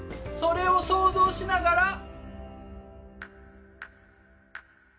それを想像しながら。